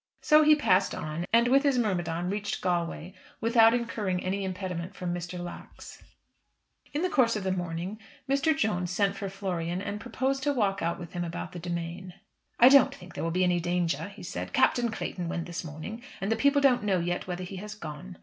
So he passed on, and with his myrmidon reached Galway, without incurring any impediment from Mr. Lax. In the course of the morning, Mr. Jones sent for Florian, and proposed to walk out with him about the demesne. "I don't think there will be any danger," he said. "Captain Clayton went this morning, and the people don't know yet whether he has gone.